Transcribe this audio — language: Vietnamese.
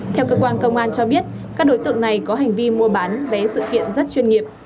theo cơ quan công an cho biết các đối tượng này có hành vi mua bán vé sự kiện rất chuyên nghiệp